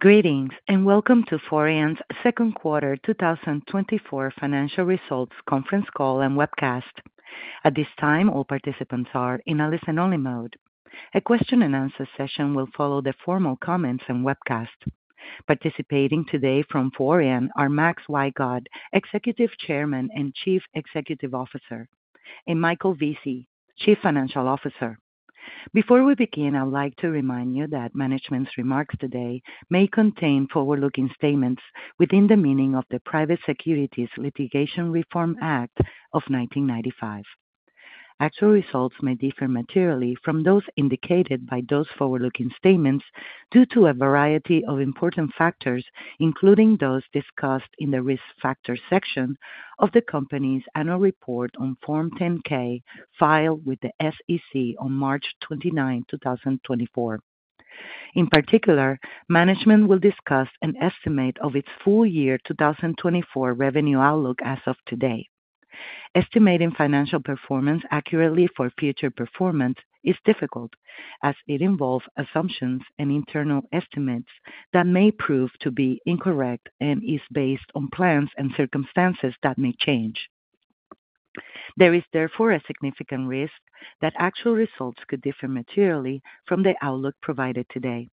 Greetings, and welcome to Forian's second quarter 2024 financial results conference call and webcast. At this time, all participants are in a listen-only mode. A question-and-answer session will follow the formal comments and webcast. Participating today from Forian are Max Wygod, Executive Chairman and Chief Executive Officer, and Michael Vesey, Chief Financial Officer. Before we begin, I would like to remind you that management's remarks today may contain forward-looking statements within the meaning of the Private Securities Litigation Reform Act of 1995. Actual results may differ materially from those indicated by those forward-looking statements due to a variety of important factors, including those discussed in the Risk Factors section of the company's Annual Report on Form 10-K, filed with the SEC on March 29, 2024. In particular, management will discuss an estimate of its full year 2024 revenue outlook as of today. Estimating financial performance accurately for future performance is difficult, as it involves assumptions and internal estimates that may prove to be incorrect and is based on plans and circumstances that may change. There is, therefore, a significant risk that actual results could differ materially from the outlook provided today.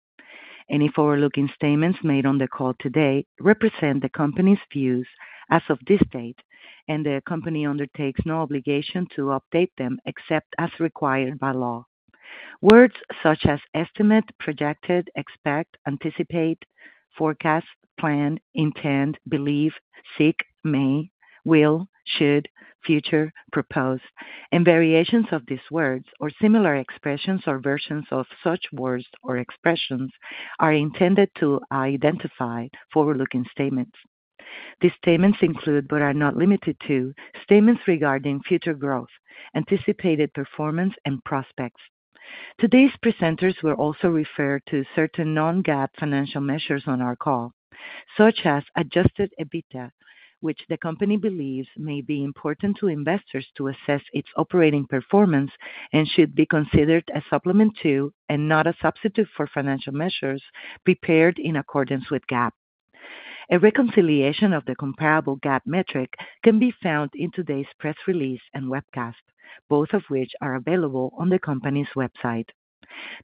Any forward-looking statements made on the call today represent the company's views as of this date, and the company undertakes no obligation to update them except as required by law. Words such as estimate, projected, expect, anticipate, forecast, plan, intend, believe, seek, may, will, should, future, propose, and variations of these words or similar expressions or versions of such words or expressions are intended to identify forward-looking statements. These statements include, but are not limited to, statements regarding future growth, anticipated performance, and prospects. Today's presenters will also refer to certain non-GAAP financial measures on our call, such as adjusted EBITDA, which the company believes may be important to investors to assess its operating performance and should be considered a supplement to and not a substitute for financial measures prepared in accordance with GAAP. A reconciliation of the comparable GAAP metric can be found in today's press release and webcast, both of which are available on the company's website.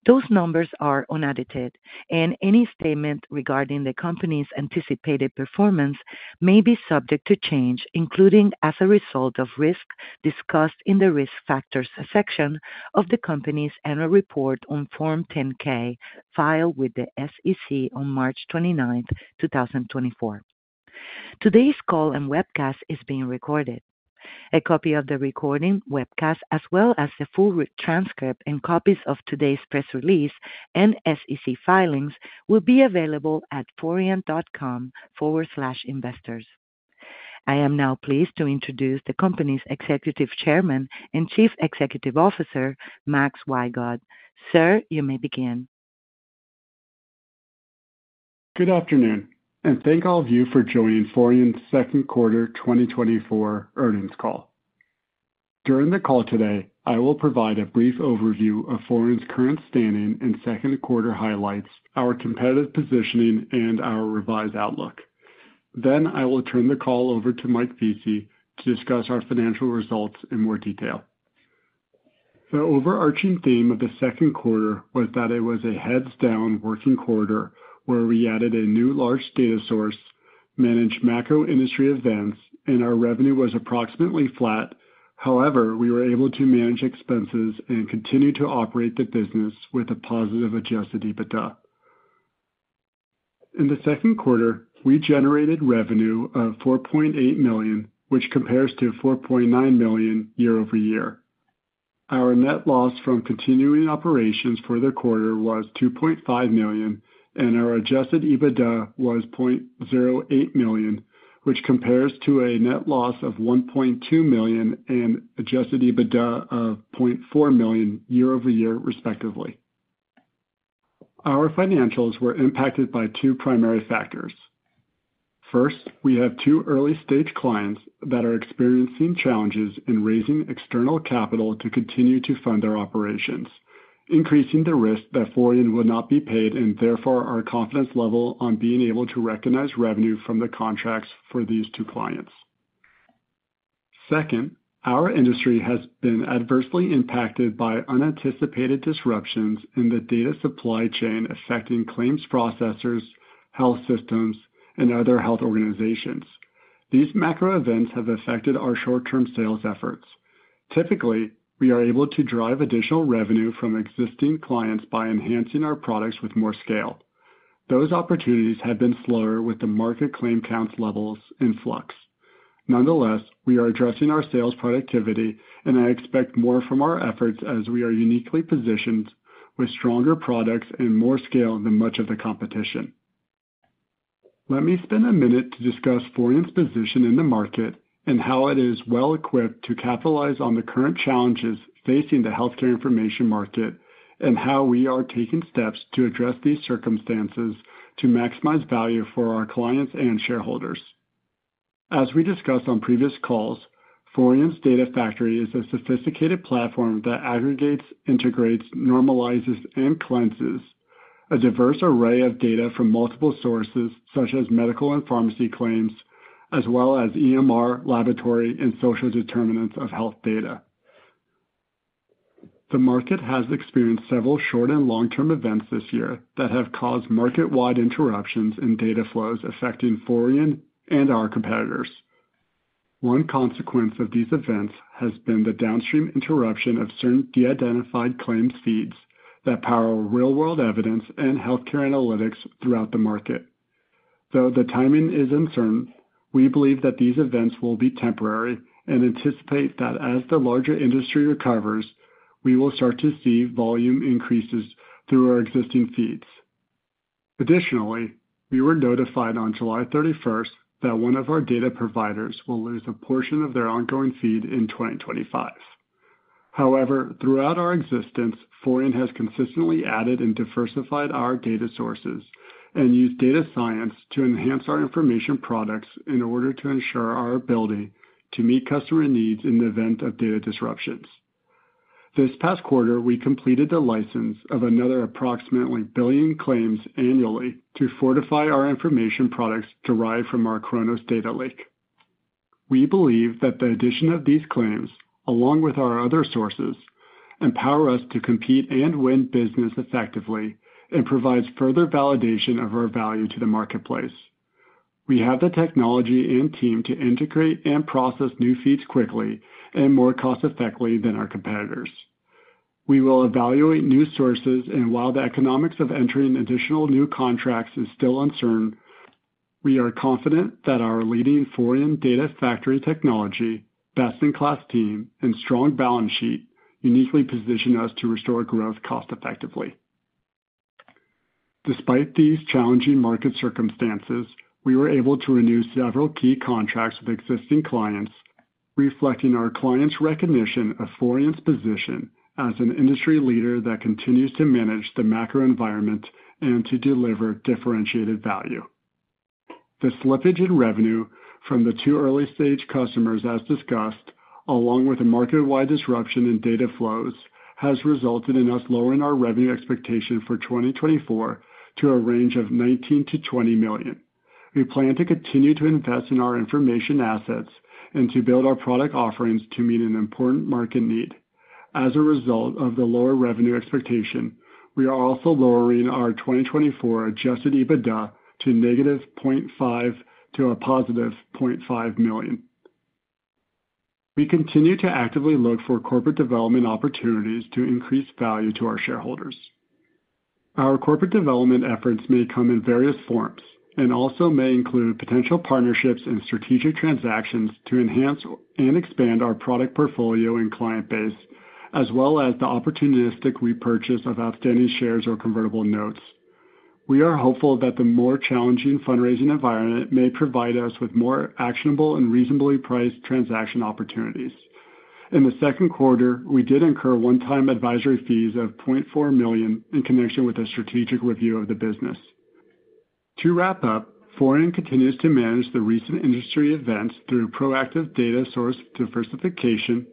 Those numbers are unaudited, and any statement regarding the company's anticipated performance may be subject to change, including as a result of risks discussed in the Risk Factors section of the company's Annual Report on Form 10-K, filed with the SEC on March 29th, 2024. Today's call and webcast is being recorded. A copy of the recording webcast, as well as the full transcript and copies of today's press release and SEC filings, will be available at forian.com/investors. I am now pleased to introduce the company's Executive Chairman and Chief Executive Officer, Max Wygod. Sir, you may begin. Good afternoon, and thank all of you for joining Forian's second quarter 2024 earnings call. During the call today, I will provide a brief overview of Forian's current standing and second quarter highlights, our competitive positioning, and our revised outlook. Then I will turn the call over to Mike Vesey to discuss our financial results in more detail. The overarching theme of the second quarter was that it was a heads down working quarter, where we added a new large data source, managed macro industry events, and our revenue was approximately flat. However, we were able to manage expenses and continue to operate the business with a positive Adjusted EBITDA. In the second quarter, we generated revenue of $4.8 million, which compares to $4.9 million year-over-year. Our net loss from continuing operations for the quarter was $2.5 million, and our Adjusted EBITDA was $0.08 million, which compares to a net loss of $1.2 million and Adjusted EBITDA of $0.4 million year-over-year, respectively. Our financials were impacted by two primary factors. First, we have two early-stage clients that are experiencing challenges in raising external capital to continue to fund their operations, increasing the risk that Forian will not be paid and therefore our confidence level on being able to recognize revenue from the contracts for these two clients. Second, our industry has been adversely impacted by unanticipated disruptions in the data supply chain, affecting claims processors, health systems, and other health organizations. These macro events have affected our short-term sales efforts. Typically, we are able to drive additional revenue from existing clients by enhancing our products with more scale. Those opportunities have been slower with the market claim counts levels in flux. Nonetheless, we are addressing our sales productivity, and I expect more from our efforts as we are uniquely positioned with stronger products and more scale than much of the competition. Let me spend a minute to discuss Forian's position in the market and how it is well equipped to capitalize on the current challenges facing the healthcare information market, and how we are taking steps to address these circumstances to maximize value for our clients and shareholders. As we discussed on previous calls, Forian's Data Factory is a sophisticated platform that aggregates, integrates, normalizes, and cleanses a diverse array of data from multiple sources, such as medical and pharmacy claims, as well as EMR, laboratory, and social determinants of health data. The market has experienced several short and long-term events this year that have caused market-wide interruptions in data flows, affecting Forian and our competitors. One consequence of these events has been the downstream interruption of certain de-identified claims feeds that power real-world evidence and healthcare analytics throughout the market. Though the timing is uncertain, we believe that these events will be temporary and anticipate that as the larger industry recovers, we will start to see volume increases through our existing feeds. Additionally, we were notified on July 31 that one of our data providers will lose a portion of their ongoing feed in 2025. However, throughout our existence, Forian has consistently added and diversified our data sources and used data science to enhance our information products in order to ensure our ability to meet customer needs in the event of data disruptions. This past quarter, we completed the license of another approximately 1 billion claims annually to fortify our information products derived from our Chronos Data Lake. We believe that the addition of these claims, along with our other sources, empower us to compete and win business effectively and provides further validation of our value to the marketplace. We have the technology and team to integrate and process new feeds quickly and more cost-effectively than our competitors. We will evaluate new sources, and while the economics of entering additional new contracts is still uncertain, we are confident that our leading Forian Data Factory technology, best-in-class team, and strong balance sheet uniquely position us to restore growth cost effectively. Despite these challenging market circumstances, we were able to renew several key contracts with existing clients, reflecting our clients' recognition of Forian's position as an industry leader that continues to manage the macro environment and to deliver differentiated value. The slippage in revenue from the two early-stage customers, as discussed, along with the market-wide disruption in data flows, has resulted in us lowering our revenue expectation for 2024 to a range of $19 million-$20 million. We plan to continue to invest in our information assets and to build our product offerings to meet an important market need. As a result of the lower revenue expectation, we are also lowering our 2024 Adjusted EBITDA to -$0.5 million to $0.5 million. We continue to actively look for corporate development opportunities to increase value to our shareholders. Our corporate development efforts may come in various forms and also may include potential partnerships and strategic transactions to enhance and expand our product portfolio and client base, as well as the opportunistic repurchase of outstanding shares or Convertible Notes. We are hopeful that the more challenging fundraising environment may provide us with more actionable and reasonably priced transaction opportunities. In the second quarter, we did incur one-time advisory fees of $0.4 million in connection with a strategic review of the business. To wrap up, Forian continues to manage the recent industry events through proactive data source diversification,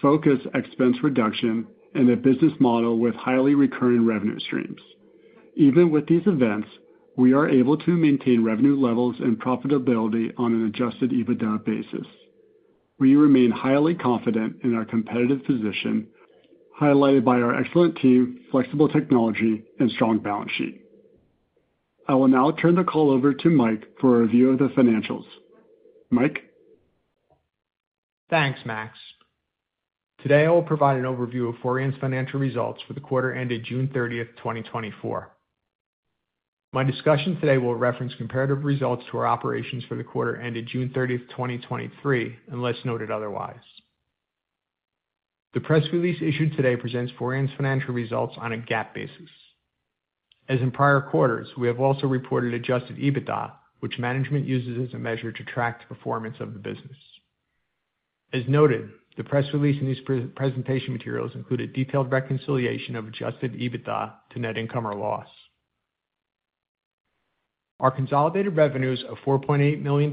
focus expense reduction, and a business model with highly recurring revenue streams. Even with these events, we are able to maintain revenue levels and profitability on an Adjusted EBITDA basis. We remain highly confident in our competitive position, highlighted by our excellent team, flexible technology, and strong balance sheet. I will now turn the call over to Mike for a review of the financials. Mike? Thanks, Max. Today, I will provide an overview of Forian's financial results for the quarter ended June 30, 2024. My discussion today will reference comparative results to our operations for the quarter ended June 30, 2023, unless noted otherwise. The press release issued today presents Forian's financial results on a GAAP basis. As in prior quarters, we have also reported Adjusted EBITDA, which management uses as a measure to track the performance of the business. As noted, the press release in these pre-presentation materials include a detailed reconciliation of Adjusted EBITDA to net income or loss. Our consolidated revenues of $4.8 million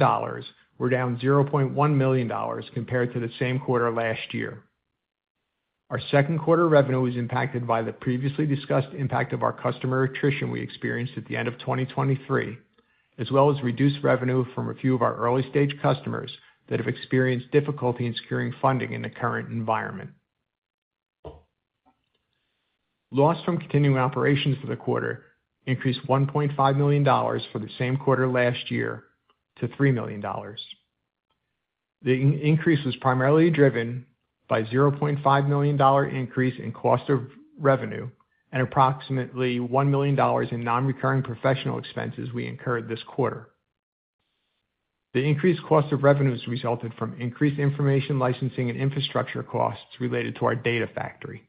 were down $0.1 million compared to the same quarter last year. Our second quarter revenue was impacted by the previously discussed impact of our customer attrition we experienced at the end of 2023, as well as reduced revenue from a few of our early-stage customers that have experienced difficulty in securing funding in the current environment. Loss from continuing operations for the quarter increased $1.5 million for the same quarter last year to $3 million. The increase was primarily driven by $0.5 million increase in cost of revenue and approximately $1 million in non-recurring professional expenses we incurred this quarter. The increased cost of revenues resulted from increased information licensing and infrastructure costs related to our data factory.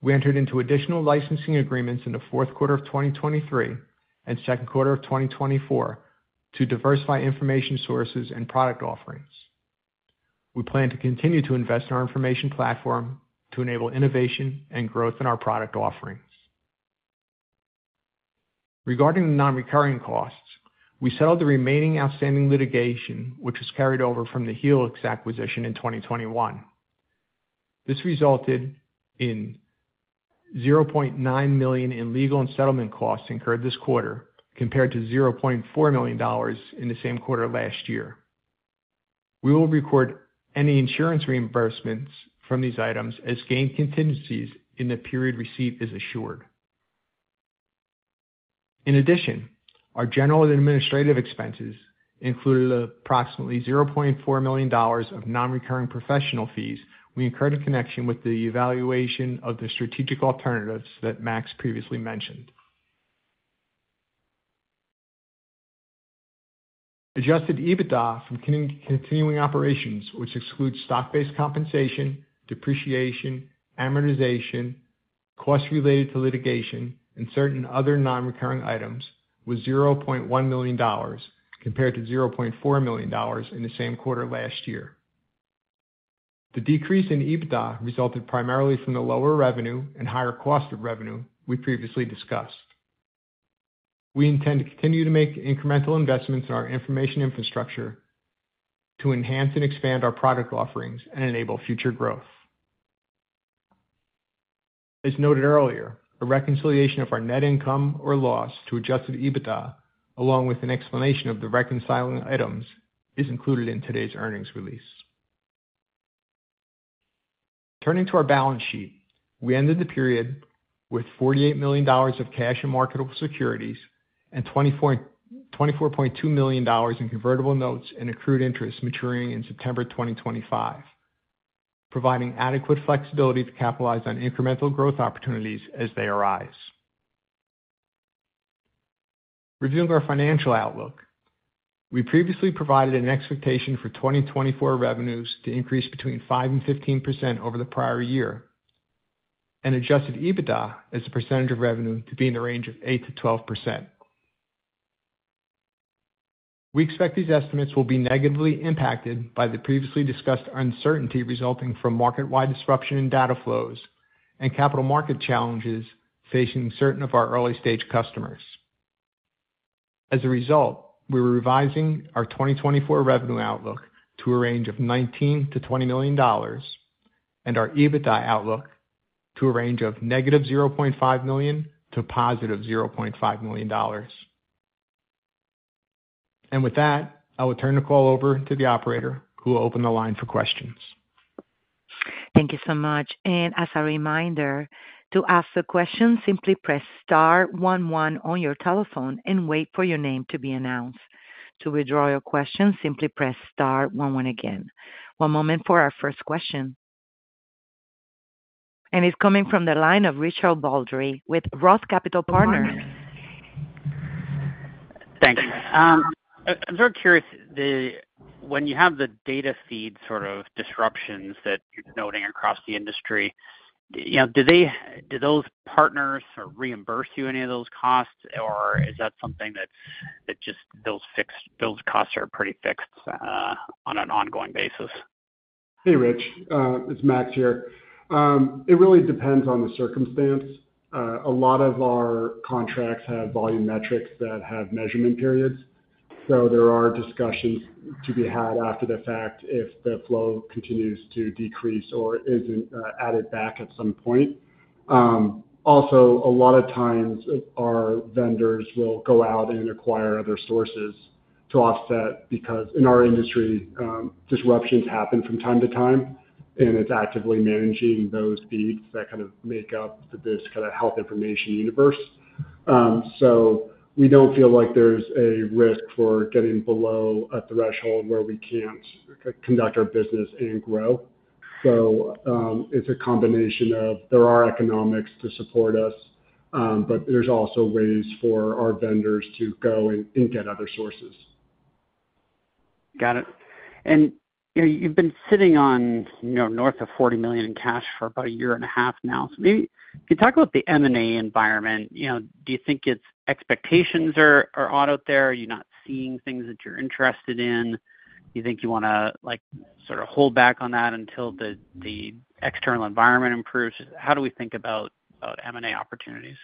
We entered into additional licensing agreements in the fourth quarter of 2023 and second quarter of 2024 to diversify information sources and product offerings. We plan to continue to invest in our information platform to enable innovation and growth in our product offerings.... Regarding the non-recurring costs, we settled the remaining outstanding litigation, which was carried over from the Helix acquisition in 2021. This resulted in $0.9 million in legal and settlement costs incurred this quarter, compared to $0.4 million in the same quarter last year. We will record any insurance reimbursements from these items as gain contingencies in the period receipt is assured. In addition, our general and administrative expenses included approximately $0.4 million of non-recurring professional fees we incurred in connection with the evaluation of the strategic alternatives that Max previously mentioned. Adjusted EBITDA from continuing operations, which excludes stock-based compensation, depreciation, amortization, costs related to litigation, and certain other non-recurring items, was $0.1 million, compared to $0.4 million in the same quarter last year. The decrease in EBITDA resulted primarily from the lower revenue and higher cost of revenue we previously discussed. We intend to continue to make incremental investments in our information infrastructure to enhance and expand our product offerings and enable future growth. As noted earlier, a reconciliation of our net income or loss to adjusted EBITDA, along with an explanation of the reconciling items, is included in today's earnings release. Turning to our balance sheet, we ended the period with $48 million of cash and marketable securities and $24.2 million in convertible notes and accrued interest maturing in September 2025, providing adequate flexibility to capitalize on incremental growth opportunities as they arise. Reviewing our financial outlook, we previously provided an expectation for 2024 revenues to increase between 5% and 15% over the prior year, and Adjusted EBITDA as a percentage of revenue to be in the range of 8%-12%. We expect these estimates will be negatively impacted by the previously discussed uncertainty resulting from market-wide disruption in data flows and capital market challenges facing certain of our early-stage customers. As a result, we're revising our 2024 revenue outlook to a range of $19 million-$20 million and our EBITDA outlook to a range of -$0.5 million to +$0.5 million. And with that, I will turn the call over to the operator, who will open the line for questions. Thank you so much. And as a reminder, to ask a question, simply press star one one on your telephone and wait for your name to be announced. To withdraw your question, simply press star one one again. One moment for our first question. And it's coming from the line of Richard Baldry with Roth Capital Partners. Thanks. I'm very curious, when you have the data feed sort of disruptions that you're noting across the industry, you know, do those partners reimburse you any of those costs, or is that something that just those fixed costs are pretty fixed on an ongoing basis? Hey, Rich, it's Max here. It really depends on the circumstance. A lot of our contracts have volume metrics that have measurement periods, so there are discussions to be had after the fact if the flow continues to decrease or isn't added back at some point. Also, a lot of times our vendors will go out and acquire other sources to offset, because in our industry, disruptions happen from time to time, and it's actively managing those feeds that kind of make up this kinda health information universe. So we don't feel like there's a risk for getting below a threshold where we can't conduct our business and grow. So, it's a combination of there are economics to support us, but there's also ways for our vendors to go and get other sources. Got it. And, you know, you've been sitting on, you know, north of $40 million in cash for about a year and a half now. So maybe can you talk about the M&A environment? You know, do you think its expectations are out there? Are you not seeing things that you're interested in? Do you think you wanna, like, sort of hold back on that until the external environment improves? How do we think about M&A opportunities?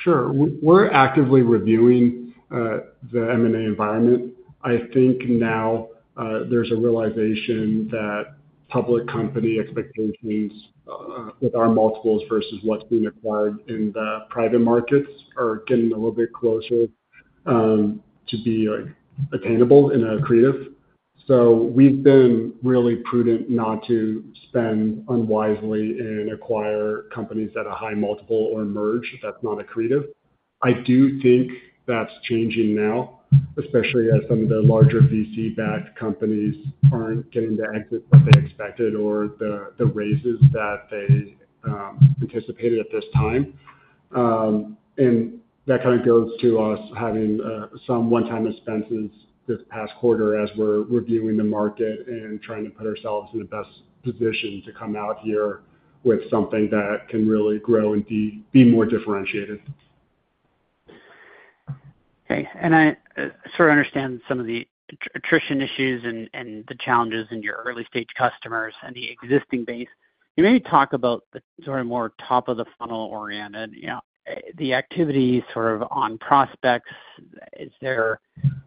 Sure. We're actively reviewing the M&A environment. I think now there's a realization that public company expectations with our multiples versus what's being acquired in the private markets are getting a little bit closer to be like attainable and accretive. So we've been really prudent not to spend unwisely and acquire companies at a high multiple or merge, if that's not accretive. I do think that's changing now, especially as some of the larger VC-backed companies aren't getting the exit that they expected or the raises that they anticipated at this time. And that kind of goes to us having some one-time expenses this past quarter as we're reviewing the market and trying to put ourselves in the best position to come out here with something that can really grow and be more differentiated. Okay. And I sort of understand some of the attrition issues and the challenges in your early-stage customers and the existing base. Can you maybe talk about the sort of more top-of-the-funnel-oriented, you know, the activity sort of on prospects. Is there...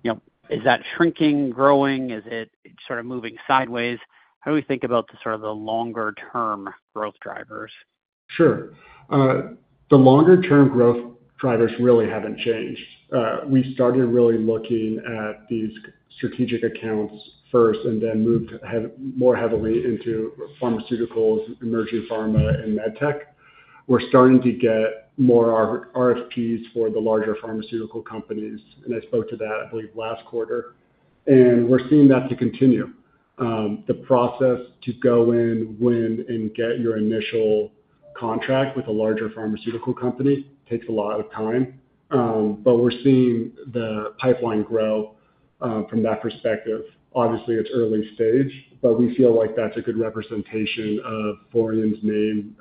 You know, is that shrinking, growing, is it sort of moving sideways? How do we think about the sort of the longer-term growth drivers? Sure. The longer-term growth drivers really haven't changed. We started really looking at these strategic accounts first and then moved more heavily into pharmaceuticals, emerging pharma, and med tech. We're starting to get more RFPs for the larger pharmaceutical companies, and I spoke to that, I believe, last quarter, and we're seeing that to continue. The process to go in, win, and get your initial contract with a larger pharmaceutical company takes a lot of time, but we're seeing the pipeline grow from that perspective. Obviously, it's early stage, but we feel like that's a good representation of Forian's name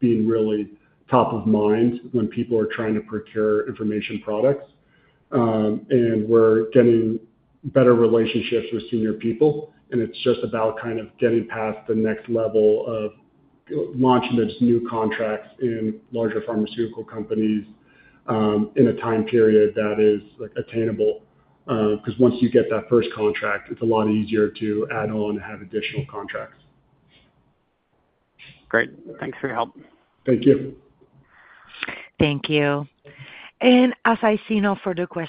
being really top of mind when people are trying to procure information products. And we're getting better relationships with senior people, and it's just about kind of getting past the next level of launching this new contracts in larger pharmaceutical companies, in a time period that is, like, attainable. Because once you get that first contract, it's a lot easier to add on and have additional contracts. Great. Thanks for your help. Thank you. Thank you. And as I see no further questions-